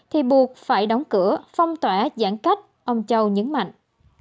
thì buộc phải đóng cửa phong tỏa giãn cách ông châu nhấn mạnh